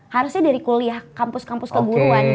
harusnya dari kuliah kampus kampus keguruan